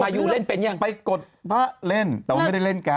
อยู่เล่นเป็นยังไปกดพระเล่นแต่ว่าไม่ได้เล่นการ